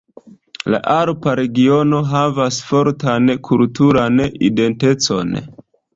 La Alpa regiono havas fortan kulturan identecon.